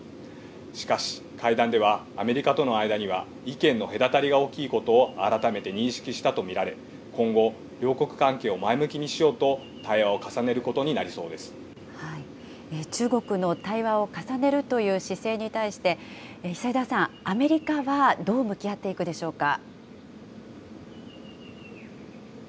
しかし、会談ではアメリカとの間には意見の隔たりが大きいことを改めて認識したものと見られ、今後、両国関係を前向きにしようと、中国の対話を重ねるという姿勢に対して、久枝さん、アメリカはどう向き合っていくでしょうか。